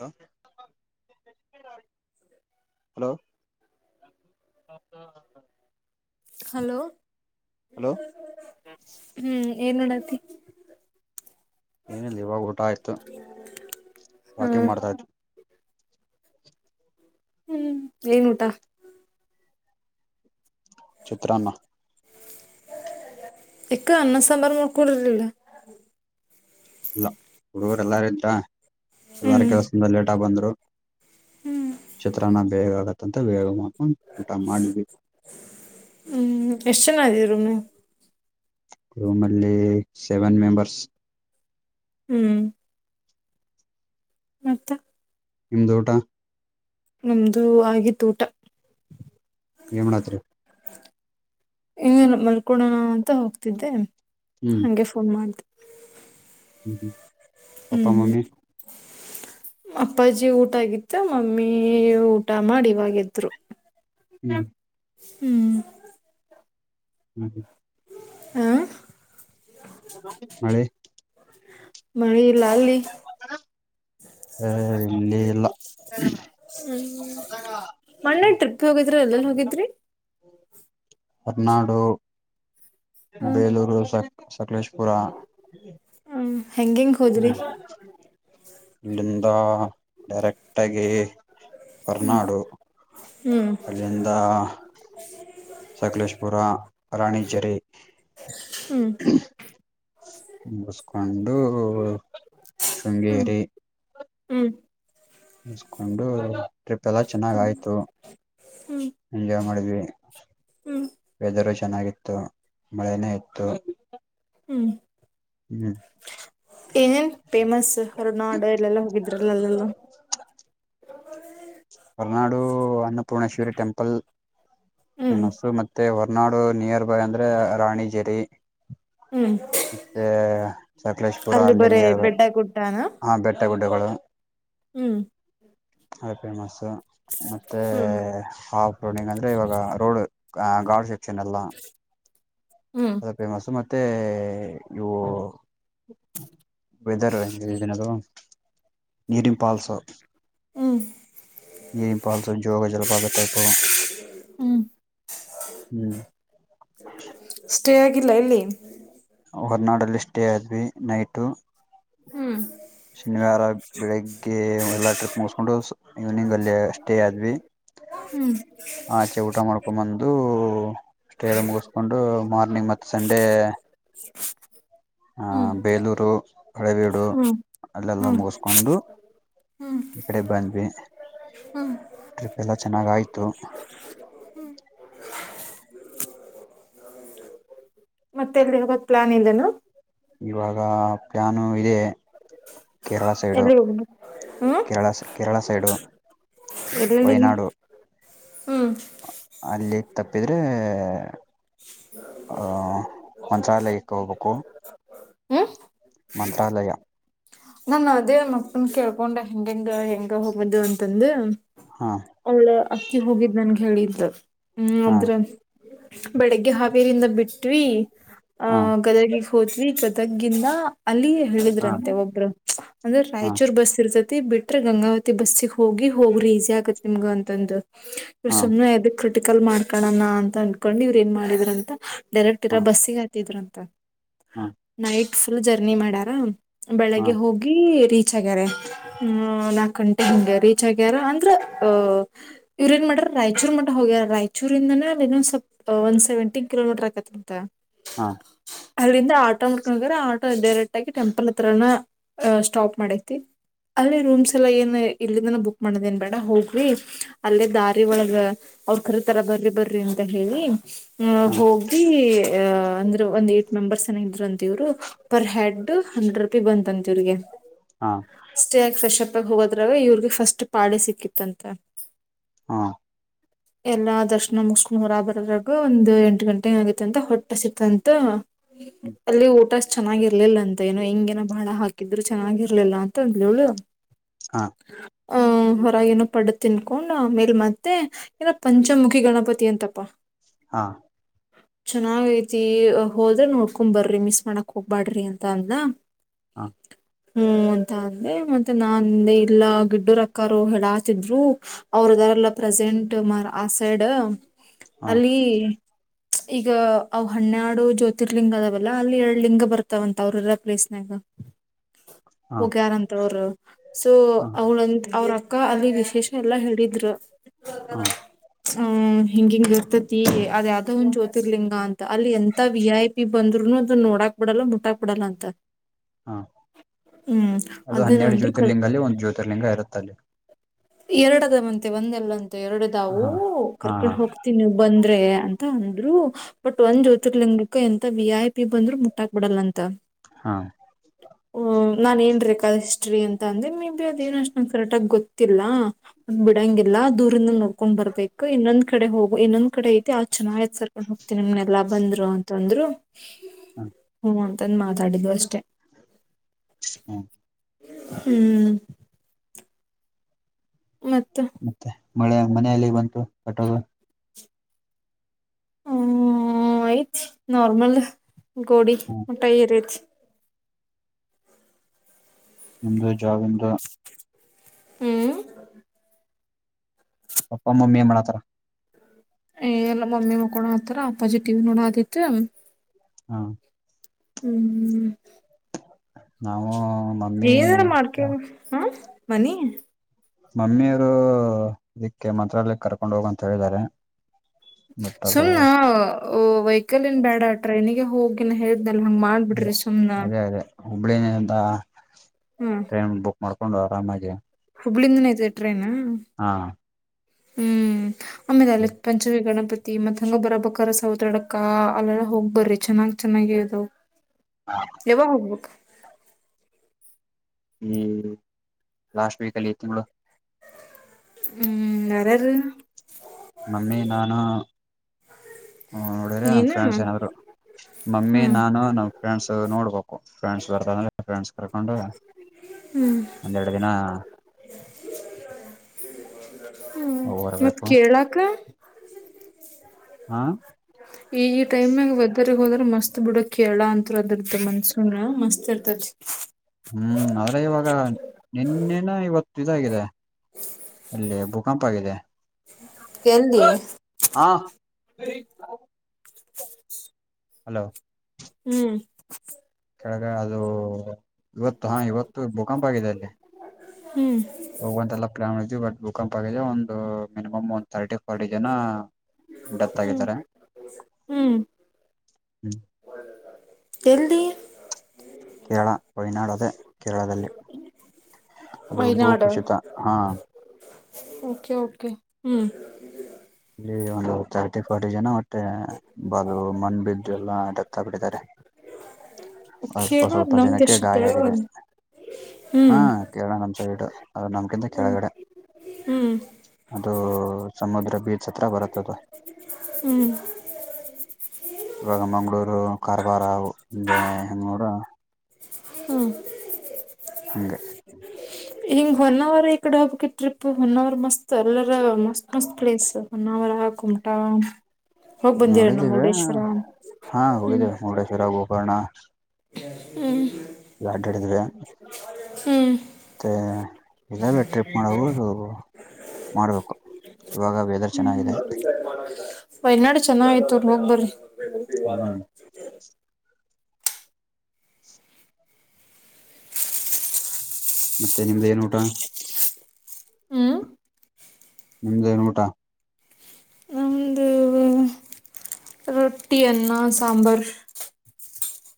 Low hello hello hello ಹು ಏನ್ಮಾಡಾತಿ. ಏನ ಇಲ್ಲ ಇವಾಗ ಊಟ ಆಯ್ತು ಹಾ ವಾಕಿಂಗ್ ಮಾಡ್ತಾದ್ವಿ. ಹು ಏನ್ ಊಟ. ಚತ್ರಾನ್ನ. ಎಕ್ಕ ಅನ್ನಸಂಬರ ಮಾಡ್ಕೊಂಡಿರ್ಲಿಲ್ಲಾ? ಇಲ್ಲ ಹುಡುಗರೆಲ್ಲಾರೂ ಇದ್ರಾ? ಎಲ್ಲಾರ ಹ್ಮ್ ಕೆಲ್ಸದಿಂದ ಲೇಟಾಗ್ ಬಂದ್ರು ಹ್ಮ್ ಚಿತ್ರಾನ್ನ ಬೇಗ ಆಗುತ್ತ ಮತ್ತೆ ಬೇಗಾ ಮಾಡ್ಕೊಂಡ್ ಊಟ ಮಾಡಿದ್ವಿ. ಹ್ಮ್ ಎಷ್ಟ ಜನಾ ಇದಿರಿ ರೂಮ್ದಾಗ್? ರೂಮಲ್ಲಿ ಸೆವೆನ್ ಮೆಂಬರ್ಸ್ ಹ್ಮ್ ಮತ್ತ ನಿಮ್ದ ಊಟಾ? ನಮ್ದು ಆಗಿತ್ತು ಊಟ. ಏನ್ ಮಾಡತ್ತೀರಿ? ಏನಿಲ್ಲಾ ಮಲ್ಕೋಳೋಣ ಅಂತ ಹೋಗ್ತಿದ್ದೆ ಹ್ಮ್ ಹಂಗೆ ಫೋ ಫೋನ್ ಮಾಡ್ದೇ. ಹ್ಞ ಹ್ಮ್ ಪಪ್ಪ ಹ್ಮ್ ಮಮ್ಮಿ ಅಪ್ಪಾಜಿ ಊಟ ಆಗಿತ್ತ ಮಮ್ಮಿ ಊಟ ಮಾಡಿ ಇವಾಗೆದ್ರು. [unintelligible] ಹ್ಮ್ [unintelligible] ಅ ಮಳೆ? ಮಳಿ ಇಲ್ಲಾ ಅಲ್ಲಿ. ಇಲ್ಲಿ ಇಲ್ಲ ಹ್ಮ್ ಮೊನ್ನೆ ಟ್ರಿಪ್ಗ ಹೋಗಿದ್ರಿ ಎಲ್ಲೆಲ್ಲಿ ಹೋಗಿದ್ರಿ? ಹೊರನಾಡು ಹ್ಮ್ ಬೇಲೂರು ಸಕ್ ಸಕ್ಲೇಶ್ಪುರ ಹ್ಮ ಹೆಂಗೆಂಗ್ ಹೋದ್ರಿ ಹ್ಮ್ ಅಲ್ಲಿಂದ ಡೈರೆಕ್ಟಾಗಿ ಹೊರ್ನಾಡು ಹ್ಮ್ ಅಲ್ಲಿಂದ ಸಕಲೇಶ್ಪುರ ರಾಣಿಜೇರಿ ಹ್ಮ್ [unintelligible] ಮುಗಸ್ಕೊಂಡು ಹ್ಮ್ ಶೃಂಗೇರಿ ಹ್ಮ್ ಮುಗಸ್ಕೊಂಡು ಟ್ರಿಪ್ ಎಲ್ಲ ಚೆನ್ನಾಗ ಆಯ್ತು. ಹ್ಮ್ ಎಂಜಾಯ್ ಮಾಡಿದ್ವಿ ಹ್ಮ್ ವೆದರು ಚೆನ್ನಾಗಿತ್ತು ಮಳೆನೇ ಇತ್ತು. ಹ್ಮ್ ಹ್ಮ್ ಏನೇನ್ ಫೇಮಸ್ ಹೊರನಾಡು ಎಲ್ಲೆಲ್ಲಾ ಹೋಗಿದ್ರಲ್ಲ ಅಲ್ಲೆಲ್ಲ [unintelligible] ಹೊರನಾಡು ಅನ್ನಪೂರ್ಣೇಶ್ವರಿ ಟೆಂಪಲ್ ಹ್ಮ್ ಫೇಮಸ್ ಮತ್ತೆ ನಾಡು ನಿಯರ್ ಬೈ ಅಂದ್ರೆ ರಾಣಿಜೇರಿ. ಹ್ಮ್ ಮತ್ತೆ ಸಕಲೇಶಪುರ ಅಲ್ಲಿ ಅಲ್ಲೇ ಬರೇ ನಿಯರ್ ಬೈ ಬೆಡ್ಡ ಗುಡ್ಡಾನ ಹಾಂ ಬೆಟ್ಟ ಗುಡ್ಡಗಳು. ಹ್ಮ್ ಅದ ಫೇಮಸ್ ಮತ್ತ ಹ್ಮ್ ಶಾಪ್ ರೋಡ್ ಹೆಂಗ ಅಂದ್ರೆ ಇವಾಗ ರೋಡ್ ಗಾರ್ಡ್ ಸೆಕ್ಷನ್ ಎಲ್ಲ ಹ್ಮ ಅ ಫೇಮಸ್ ಮತ್ತೆ ಇವು ವೆದರ್ನದು ನೀರಿನ ಪಾಲ್ಸು ಹ್ಮ್ ಆಂಪಾಲಸ ಜೋಗ್ ಜಲಪಾತ ಟೈಪು ಹ್ಮ್ ಹ್ಮ್ ಸ್ಟೇ ಆಗಿಲ್ಲ ಎಲ್ಲಿ ಹೊರನಾಡಲ್ಲಿ ಸ್ಟೇ ಆದ್ವಿ ನೈಟು ಹ್ಮ್ ಶನಿವಾರ ಬೆಳಿಗ್ಗೆ ಎಲ್ಲಾ ಟ್ರಿಪ್ ಮುಗಿಸಕೊಂಡು. ಇವ್ನಿಂಗ್ ಅಲ್ಲಿ ಸ್ಟೇ ಆದ್ವಿ. ಹ್ಮ್ ಆ ಆಚೆ ಊಟ ಮಾಡ್ಕೊ ಬಂದು. ಸ್ಟೇ ಎಲ್ಲ ಮುಗಿಸ್ಕೊಂಡು ಮಾರ್ನಿಂಗ್ ಮತ್ತು ಸಂಡೇ ಹ [inaudible] ಆಹ ಬೇಲೂರು ಹಳೇಬೀಡು ಹ್ಮ್ ಅಲ್ಲೆಲ್ಲ ಹ್ಮ್ ಮುಗಿಸ ಹಕೊಂಡು ಹ್ಮ್ ಈ ಕಡೆ ಬಂದ್ವಿ. ಟ್ರಿಪ್ ಎಲ್ಲ ಚೆನ್ನಾಗ ಆಯ್ತು. ಮತ್ತೆ ಎಲ್ಲಿ ಗ್ ಪ್ಲಾನ್ ಇದೇನಾ ಇವಾಗ ಪ್ಯಾನು ಇದೆ ಕೇರಳ ಸೈಡು ಎಲ್ಲಿ ಹೋಗ್ಬೇಕು ಕೇರಳ. ಕೇರಳ ಸೈಡು ಎಲ್ಲೆಲ್ಲಿಗೆ ವಯನಾಡು ಹ್ಮ್ ಅಲ್ಲಿ ತಪ್ಪಿದ್ರೆ? ಆಹ ಒಂಸಾಲಕ್ಕಾ ಹೋಗ್ಬೇಕು ಹ್ಮ್ ಮಂತ್ರಾಲಯ ನಾನ ಅದೇ ಮಕ್ಕನ್ ಕೇಳ್ಕೊಂಡ ಹೆಂಗ ಹೆಂಗ ಹೆಂಗ ಹೋಗದು ಅಂತಂದು ಹಾ ಒಳ್ಳ ಅಕ್ಕಿ ಹೋಗಿದ್ ನನ್ಗೆ ಹೇಳಿದ್ದ ಹ್ಮ್ ಹಾ ಅದ್ರ ಬೆಳಗ್ಗೆ ಹಾವೇರಿಂದ ಬಿಟ್ವಿ ಹಾ ಗದಗಿಗ್ ಹೋದ್ವಿ ಗದಗಿಂದ ಅಲ್ಲಿ ಹಾ ಹೇಳಿದ್ರಂತೆ ಒಬ್ರು ಅಂದ್ರೆ ಹಾ ರಾಯಚೂರ್ ಬಸ್ ಇರ್ತತಿ ಬಿಟ್ರೆ ಗಂಗಾವತಿ ಬಸ್ಸಗ್ ಹೋಗಿ ಹೋಗ್ರಿ ಈಸಿ ಆಗುತ್ತೆ ನಿಮಗ ಅಂತಂದು ಇ ಹಾ ಸುಮ್ನೆ ಎದಕ್ ಕ್ರಿಟಿಕಲ್ ಮಾಡ್ಕಳಣ ಅಂತ ಅಂದಕೊಂಡು ಇವ್ರ್ ಏನ್ ಮಾಡಿದ್ರ ಅಂತ ಡೈರೆಕ್ಟ್ ಹಾ ಇರೋ ಬಸ್ಸಿಗೆ ಹಾತಿದರ ಅಂತ ಹಾ ನೈಟ್ ಫುಲ್ ಜರ್ನಿ ಮಾಡ್ಯಾರ ಹಾ ಬೆಳಿಗ್ಗೆ ಹೋಗಿ ರೀಚ್ ಆಗ್ಯಾರ ಹ್ಮ ನಾಕಗಂಟೆ ಹಂಗೆ ರೀಚ್ ಆಗ್ಯಾರ ಅಂದ್ರ ಅಹ ಇವ್ ಏನ್ ಮಾಡ್ರ ರಾಯಚೂರ್ ಮಟ ಹೋಗ್ಯಾರ ರಾಯಚೂರಿಂದನೇ ಅ ಇ ಸ್ವಲ್ಪ ಒನ್ ಸೆವೆಂಟಿ ಕಿಲೋಮೀಟರ್ ಆಕತಿ ಅಂತ ಹಾ ಅಲ್ಲಿಂದ ಆಟೋ ಮಾಡ್ಕೊಂಡೋಗ್ರ ಆಟೋ ಡೈರೆಕ್ಟ್ ಆಗಿ ಟೆಂಪಲ್ ಹತ್ರನ ಅ ಸ್ಟಾಪ್ ಮಾಡೈತಿ. ಅಲ್ಲೇ ರೂಮ್ಸ್ ಎಲ್ಲ ಏನ್ ಇಲ್ಲಿಂದನ ಬುಕ್ ಮಾಡದೇನ್ ಬೇಡ ಹೋರ್ರೀ ಅಲ್ಲೇ ದಾರಿ ಒಳಗ ಅವ್ರ ಕರಿತರ ಬರ್ರಿ ಬರ್ರಿ ಅಂತ ಹೇಳಿ ಆ ಹಾ ಹೋಗಿ ಅಹ ಅಂದ್ರೆ ಒಂದ್ ಏಟ್ ಮೆಂಬರ್ಸ್ ಏನೋ ಇದ್ರ ಅಂತ ಇವ್ರು ಪರ್ ಹೆಡ್ ಹಂಡ್ರೆಡ್ ರೂಪಿ ಬಂತಾ ಇವ್ರಿಗೆ ಹಾ ಸ್ಟೇ ಆಗಿ ಫ್ರೆಶ್ಪ್ ಆಗಿ ಹೋಗೋದ್ರಾಗ ಇವ್ರಿಗೆ ಫಸ್ಟ್ ಪಾಡೆ ಸಿಕ್ಕಿತ್ಂತ ಹಾ [unintelligible] ಎಲ್ಲಾ ದರ್ಶನ ಮುಗಸ್ಕೊಂಡ ಹೋರಗ ಬರೋದ್ರಾಗ ಒಂದು ಎಂಟು ಗಂಟೆ ಹೆಂಗ ಆಗೈತ್ತಂತ ಹೊಟ್ಟಿ ಹಸಿತಂತ ಅಲ್ಲಿ ಊಟಾ ಅಷ್ಟ ಚೆನ್ನಾಗಿರ್ಲಿಲ್ಲ ಅಂತ ಏನೋ ಇಂಗ ಏನ ಬಾಳ ಹಾಕ ಇದಿದ್ರು ಚೆನ್ನಾಗಿರ್ಲಿಲ್ಲ ಅಂತ ಅಂದ್ರು ಅವರು ಹಾ ಅ ಹೊರಗೇನೊ ಪಡ್ಡ ತಿನ್ಕೊಂಡ್ ಆಮೇಲೆ ಮತ್ತೆ ಏನ ಪಂಚಮುಖಿ ಗಣಪತಿ ಅಂತಪ್ಪಾ ಹಾ ಚೆನ್ನಾಗ ಐತಿ ಹೋದ್ರೆ ನೋಡ್ಕೊಂಡ್ ಬರ್ರಿ ಮಿಸ್ ಮಾಡಕ್ ಹೋಗ್ ಬ್ಯಾಡ್ರಿ ಅಂತ ಅಂದಲ್ ಹಾ ಹು ಅಂತ ಅಂದೆ ಮತ್ತೆ ನಾ ಅಂದೆ ಇಲ್ಲಾ ಗಿಡ್ಡ ರಕ್ಕರು ಹೆಳಾತಿದ್ರು ಅವ್ರದಾರಲ್ಲ ಪ್ರೆಸೆಂಟ್ ಮ ಆ ಸೈಡ್ ಹಾ ಅಲ್ಲಿ ಈಗ ಅವ ಹನೇಡು ಜ್ಯೋತಿರ್ಲಿಂಗ ಅದಾವಲ್ಲಾ ಅಲ್ಲಿ ಎರಡ್ ಲಿಂಗ ಬರ್ತಾವಂತ ಅವ್ರ ಇರೋ ಪ್ಲೇಸ್ ನಾಗ ಹಾ ಹೋಗ್ಯಾರಂತ ಅವರು ಸೊ ಹಾ ಅವಳಂತ ಅವ್ರ ಅಕ್ಕಾ ಅಲ್ಲಿ ವಿಶೇಷ ಎಲ್ಲಾ ಹೇಳಿದ್ರ ಹಾ ಹುಂ ಹಿಂಗ ಹಿಂಗ ಇರ್ತೈತಿ ಅದ ಯಾವ್ದೋ ಒಂದು ಜ್ಯೋತಿರ್ಲಿಂಗ ಅಂತ ಅಲ್ಲಿ ಎಂತಾ ವಿ ಐ ಪಿ ಬಂದ್ರುನು ಅದು ನೋಡಾಕ್ ಬಿಡಲ್ಲ ಮುಟ್ಟಾಕ್ ಬಿಡಲ್ಲ ಅಂತ ಹಾ ಹ್ಮ್ ಅದು ಅದನ್ನ ಹನ್ನೆರಡು ಅಂದ್ರು ಕರೆಕ್ಟ್ ಜ್ಯೋತಿರ್ಲಿಂಗ ಅಲ್ಲಿ ಒಂದು ಜ್ಯೋತಿರ್ಲಿಂಗ ಇರುತ್ತ ಅಲ್ಲಿ ಎರಡ ಅದಾವಂತೆ ಒಂದಲ್ಲ ಅಂತ ಎರಡುದವು ಹಾ ಹಾ ಕರ್ಕೊಂಡ್ ಹಾ ಹೋಗ್ತವಿ ತಿನ್ನು ಬಂದ್ರೆ ಅಂತ ಅಂದ್ರು ಬಟ್ ಒಂದ್ ಜ್ಯೋತಿರ್ಲಿಂಗಕ್ಕ ಎಂತ ವಿ ಐ ಪಿ ಬಂದ್ರು ಮುಟ್ಟಾಕ ಬಿಡಲ್ಲ ಅಂತ. ಹಾ ನಾನ್ ಏನ್ ರೇಕ ಅದ ಹಿಸ್ಟ್ರಿ ಅಂದೆ ಮೇ ಬಿ ಅದ ಏನ ಅಷ್ಟು ನ ಕರೆಕ್ಟ ಆಗ ಗೊತ್ತ ತಿಲ್ಲಾ ಬಿಡಂಗಿಲ್ಲಾ ದೂರಿಂದ ನೋಡ್ಕೊಂಡ್ ಬರ್ಬೇಕು ಇನ್ನೊಂದ್ ಕಡೆ ಹೋಗು ಇನ್ನೊಂದ್ ಕಡೆ ಐತಿ ಆ ಚೆನ್ನಾಗತ್ ಸರ್ ಹೋಗ್ತೀನಿ ನಿಮ್ನೆಲ್ಲಾ ಬಂದ್ರು ಅಂತಂದ್ರು ಹಾ ಹ್ಮ ಅಂತಂದು ಮಾತಾಡಿದಿವಿ ಅಷ್ಟೇ ಹುಂ ಹುಂ ಮತ್ತ ಮತ್ತೆ ಮಳೆ ಮನೆಎಲ್ಲಿಗ ಬಂತು ಕಟ್ಟೋದು ಹ್ಮ್ ಐಯ್ತ ನಾರ್ಮಲ್ ಗೋಡಿ ಹ್ಮ ಮಟಾ ಎರೇತಿ ನಿಮ್ದು ಜಾಬ್ ಇಂದಾ ಹುಂ ಪಪ್ಪಾ ಮಮ್ಮಿ ಏನ್ ಮಾಡತಾರ ಎಲ್ಲ ಮಮ್ಮಿ ಮಕ್ಕೋಳಾತರ ಅಪ್ಪಾಜಿ ಟಿವಿ ನೋಡಕತೀತ್ತು ಹಾ ಹುಂ ನಾವು ಮಮ್ಮಿ ಏನಾರ ಮಾಡ್ತ ಕೇಳ ಹಾ ಮನಿ ಮಮ್ಮಿಯವರು ಇದಕ್ಕೆ ಮಂತ್ರಾಲಯಕ್ಕೆ ಕರ್ಕೊಂಡ್ ಹೋಗ ಅಂತ ಹೇಳಿದ್ದಾರೆ. ಬಟ್ ಸುಮ್ ಅದು ವೆಹಿಕಲ್ ಏನ್ ಬೇಡಾ ಟ್ರೈನಿಗೆ ಹೋಗ ನಾ ಹೇಳಿದ್ನಲಾ ಹಂಗ ಮಾಡ ಅದೇ ಅದೇ ಹುಬ್ಬಳ್ಳಿಂತ ಹ್ಮ ಟ್ರೈನ್ ಬುಕ್ ಮಾಡ್ಕೊಂಡು ಆರಾಮಾಗಿ ಹುಬ್ಬಳಿಂದನ ಐತೆ ಟ್ರೈನ? ಹಾ ಹ್ಮ್ ಆಮೇಲೆ ಅಲ್ಲಿ ಪಂಚಮೀ ಗಣಪತಿ ತಿ ಮತ್ತ ಹಂಗ ಬರಬಕರ್ ಸೌತಡ್ಕ ಅಲ್ಲೆಲ್ಲ ಹೋಗಿ ಬರ್ರಿ ಚೆನ್ನ್ ಚೆನ್ನಾಗಿ ಇದಾವ. ಹಾ ಯವ ಹೋಗ್ಬೇಕ್? ಈ ಲಾಸ್ಟ್ ವೀಕ್ ಅಲ್ಲಿ ಈ ತಿಂಗಳು. ಹ್ಮ್ ಯಾರಾರು? ಮಮ್ಮಿ ನಾನೂ ಹ ನೋಡಿರಿ ನ ನೀನು ಫ್ರೆಂಡ್ಸ್ ಏನಾದ್ರು ಮಮ್ಮಿ ಹ್ಮ್ ಹ್ಮ್ ನಾನು ನಮ್ ಫ್ರೆಂಡ್ಸ್ ನೋಡ್ಬೇಕು ಫ್ರೆಂಡ್ಸ್ ಬರ್ತಾರ ಅಂದ್ರೆ ಫ್ರೆಂಡ್ಸ್ ಕರ್ಕೊಂಡ ಹ್ಮ್ ಒಂದೆರಡ ದಿನ ಹ ಮತ್ ಹೊರ್ಬೇಕು ಕೇಳಾಕ್ಕ ಹಾ ಈ ಈ ಟೈಮ್ನಾಗ ವೆದರ್ಗ ಹೋದ್ರೆ ಮಸ್ತ್ ಬಿಡ ಕೇರಳಾ ಅಂತ್ರು ಅದರ್ದ್ ಮನ್ಸೂನ್ ಮಸ್ತ್ ಇರ್ತೇತಿ. [unintelligible] ಹ್ಮ್ ಆದ್ರೆ ಇವಾಗಾ ನಿನ್ನೆನ ಇವತ್ತ ಇದಾಗಿದೆ. ಅಲ್ಲಿ ಭೂಕಂಪ ಆಗಿದೆ. ಎಲ್ಲಿ? ಆ ಹಲೋ ಹ್ಮ್ ಕೆಳಗ ಅದು ಇವತ್ತು ಹಾ ಇವತ್ತು ಭೂಕಂಪ ಆಗಿದೆ ಅಲ್ಲಿ. ಹ್ಮ್ ಹೋಗುವಂತೆಲ್ಲಾ ಪ್ಲ್ಯಾನ್ ಮಾಡಿದ್ದು ಬಟ್ ಭೂಕಂಪ ಆಗಿದೆ ಒಂದು ಮಿನಿಮಮ್ ಒಂದ್ ಥರ್ಟಿ ಫೋರ್ಟಿ ಜನಾ ಡೆತ್ ಹ್ಮ್ ಆಗಿದಾರೆ. ಹ್ಮ್ ಹ್ಮ್ ಎಲ್ಲಿ? ಕೇರಳ ವಯನಾಡು ಅದೇ ಕೇರಳದಲ್ಲಿ ಅದು ಭೂ ವಯನಾಡ್ ಕುಸಿತ ಹಾ ಓಕೆ ಓಕೆ ಹ್ಮ್. ಇಲ್ಲಿ ಒಂದು ತರ್ಟಿ ಫೋರ್ಟಿ ಜನ ಮಟ್ಟೆ ಬ ಮಣ್ ಬಿದ್ದು ಎಲ್ಲಾ ಡೆತ್ ಆಗ್ಬಿಟ್ಟಿದಾರೆ. ಅಲ್ಪ ಕೇರಳ ಸ್ವಲ್ಪ ನಮ್ ಜನಕ್ಕೆ ದೇಶದ ಗಾಯ ಆಗಿದೆ ಹ್ಮ್ ಹಾ. ಹ್ಮ್ ಕೇರಳ ನಮ್ ಸೈಡ್ ಅದು ನಮ್ಕಿಂತ ಕೆಳಗಡೆ. ಹ್ಮ್ ಅದು ಸಮುದ್ರ ಬೀಚ್ ಹತ್ರ ಬರುತ್ತ ಅದು. ಹ್ಮ್ ಇವಾಗ ಮಂಗ್ಗಳೂರು ಕಾರವಾರ ಹಿಂಗೆ ನೋಡ ಹ್ಮ ಹಂಗೆ. ಹಿಂಗ್ ಹೊನ್ನಾವರ ಈ ಕಡೆ ಹೋಗಕ್ಕೆ ಟ್ರಿಪ್ ಹೊನ್ನಾವರ ಮಸ್ತ್ ಎಲ್ಲರ ಮಸ್ತ್ ಮಸ್ತ್ ಪ್ಲೇಸ್ ಹೊನ್ನಾವರ ಕುಮಟಾ ಹೋಗ್ ಬಂದಿರ ನಮ್ಮ ನೋಡಿದಿವೆ ಮುರುಡೇಶ್ವರ ಹಾ ಹೋಗಿದ್ದೇವ ಮುರುಡೇಶ್ವರ ಗೋಕರ್ಣ ಹ್ಮ್ ಅಡ್ಡಯಾಡಿದ್ವಿ. ಹ್ಮ್ ಮತ್ತೆ ಇದಾವೇ ಟ್ರಿಪ್ ಮಾಡುವದು ಮಾಡ್ಬೇಕು ಇವಾಗ ವೆದರ್ ಹ್ಮ್ ಚೆನ್ನಾಗಿದೆ ವಯನಾಡು ಚೆನ್ನತ್ತು ಹೋಗಿ ಬರ್ರಿ ಹ್ಮ್ ಮತ್ತೆ ನಿಮ್ದ್ ಏನ್ ಊಟ? ಹ್ಮ್ ನಿಮ್ ಏನ್ ಊಟಾ? ನಮ್ಮದು ರೊಟ್ಟಿ, ಅನ್ನ, ಸಾಂಬಾರ್,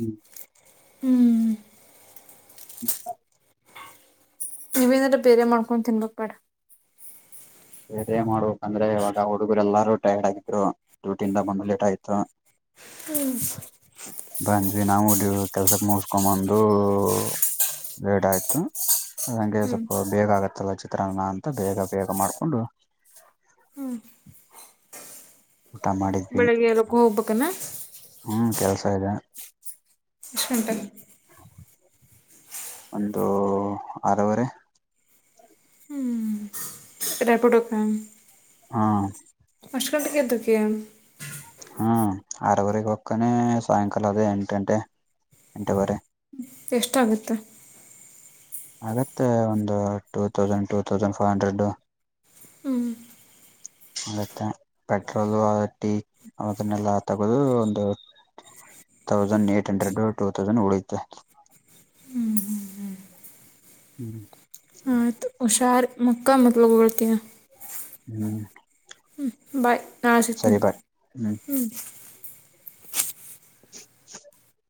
ಹ್ಞೂ ಹ್ಮ್ ಹ [inaudible] ನೀವೇ ಏನಂದ್ರ ಬೇರೆ ಮಾಡ್ಕೊಂಡು ತಿನ್ಬೇಕ್ ಬೇಡ ಬೇರೆ ಮಾಡ್ಬೇಕಂದ್ರೆ ಇವಾಗ ಹುಡುಗರು ಎಲ್ಲಾರೂ ಟೈರ್ಡ್ ಆಗಿದ್ರು ಡ್ಯೂಟಿ ಇಂದ ಬಂದು ಲೇಟ್ ಆಯ್ತು ಹ್ಮ ಬಂದ್ವಿ ನಾವು ಕೆಲ್ಸಕ್ ಮುಸ್ಕೊಂಡ ಬಂದು. ಬೇಡ ಆಯ್ತು ಹಂಗೆ ಹ್ಮ್ ಸ್ವಲ್ಪ ಬೇಗ ಆಗತ್ತಲ್ಲ ಚಿತ್ರಾಅನ್ನ ಅಂತ ಬೇಗ ಬೇಗ ಮಾಡ ಕೊಂಡು ಊಟ ಮಾಡಿದ್ವಿ ಬೆಳಿಗ್ಗೆ ಎಲ್ಲಕ್ಕ ಹೋಗ್ಬೇಕನಾ ಹ್ಮ್ ಕೆಲ್ಸ ಇದೆ ಎಷ್ಟು್ಮಂಟಲ್ಲಿ [unintelligible] ಒಂದು ಆರೂ ವರೆ ರೇಪಿಡ್ ಹೋಗ್ತಾನ ಹಾ ಅಷ್ಟು ಗಂಟೆಗೆ ಎದೋಕಿಯ ಹ್ಮ ಆರುವರೆಗೆ ಕೊಕ್ಕನೆ ಸಾಯಂಕಾಲ ಅದೇ ಎಂಟ್ ಗಂಟೆ ಎಂಟುವರೆ ಎಷ್ಟ ಆಗುತ್ತೆ? ಆಗತ್ತೆ ಒಂದು ಟೂತೌಸಂಡ್ ಟುತೌಸಂಡ್ ಫೈವ್ ಹಂಡ್ರೆಡ್ ಹ್ಮ ಮತ್ತೆ ಪೆಟ್ರೋಲು ಟೀ ಅದನ್ನೆಲ್ಲಾ ತಗೋದು ಒಂದು ತೌಸಂಡ್ ಏಟ್ ಹಂಡ್ರೆಡ್ ಟುತೌಸಂಡ್ ಉಳಿಯುತ್ತೆ ಹ್ಮ್ ಹುಷಾರ ಮಕ್ಕಾ ಮತ್ತ ಬೊಗಳ್ತಿನಾ ಹ್ಮ್ ಬಾಯ್ ನಾಳೇ ಸಿಕ್ತೀನೀ. ಸರಿ ಬಾಯ್ ಹ್ಮ್ [inaudible]